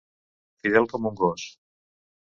Fidel com un gos.